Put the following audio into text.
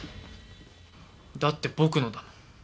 だって僕のだもん。